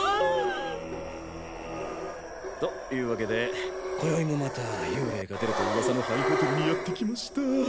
というわけで今宵もまた幽霊が出るとウワサの廃ホテルにやってきました。